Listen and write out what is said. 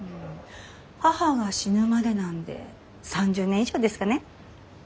母が死ぬまでなんで３０年以上ですかね。